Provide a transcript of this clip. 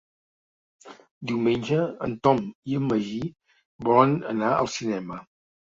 Diumenge en Tom i en Magí volen anar al cinema.